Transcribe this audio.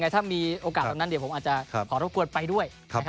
ถ้ามีโอกาสตรงนั้นเดี๋ยวผมอาจจะขอรบกวนไปด้วย